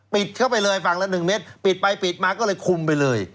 เข้าไปเลยฝั่งละ๑เมตรปิดไปปิดมาก็เลยคุมไปเลย